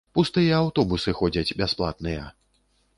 Пустыя аўтобусы ходзяць бясплатныя.